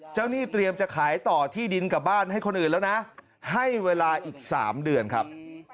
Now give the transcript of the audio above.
หนี้เตรียมจะขายต่อที่ดินกับบ้านให้คนอื่นแล้วนะให้เวลาอีก๓เดือนครับ